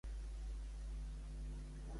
AC Qui és el cap de la petroliera?